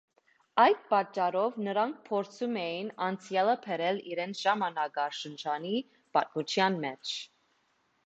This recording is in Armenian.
Այդ պատճառով նրանք փորձում էին անցյալը բերել իրենց ժամանակաշրջանի պատմության մեջ։